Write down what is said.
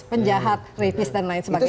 penjahat kritis dan lain sebagainya